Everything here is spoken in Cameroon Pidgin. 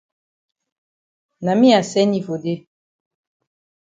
Na me I send yi for dey.